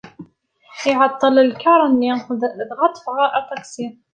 Iεeṭṭel lkaṛ-nni, dɣa ṭṭfeɣ aṭaksi.